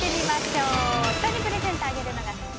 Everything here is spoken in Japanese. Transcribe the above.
人にプレゼントをあげるのが好き？